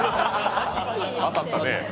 当たったね。